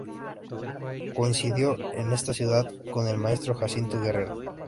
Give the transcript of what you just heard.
Coincidió en esta ciudad con el maestro Jacinto Guerrero.